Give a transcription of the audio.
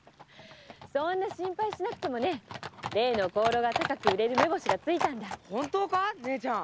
そんな心配しなくても例の香炉が高く売れる目星がついたんだ。